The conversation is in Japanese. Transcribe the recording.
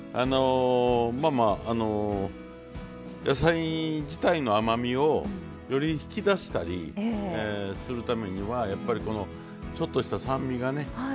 野菜自体の甘みをより引き出したりするためにはやっぱりこのちょっとした酸味がね